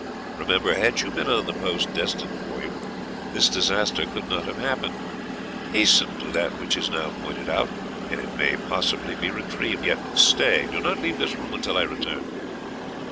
Remember, had you been on the post destined for you, this disaster could not have happened: hasten to that which is now pointed out, and it may possibly be retrieved. Yet stay do not leave this room until I return."